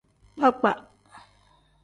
Kpakpa.